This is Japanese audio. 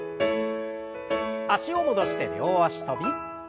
脚を戻して両脚跳び。